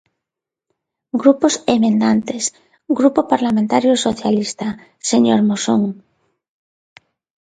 Grupos emendantes, Grupo Parlamentario Socialista, señor Moxón.